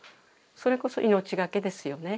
それこそ命懸けですよね